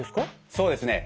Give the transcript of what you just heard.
そうですね。